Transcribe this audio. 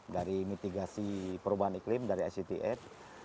dari mitigasi perubahan iklim dari sct aid